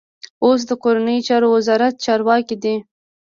اوس د کورنیو چارو وزارت چارواکی دی.